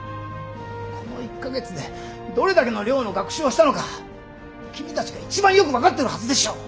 この１か月でどれだけの量の学習をしたのか君たちが一番よく分かってるはずでしょう。